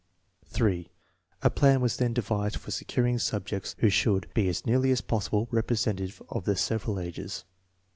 3. A plan was then devised for securing subjects who should be as nearly as possible representative of the several ages.